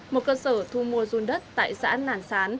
một cơ sở thu mua dùng đất tại xã nản sán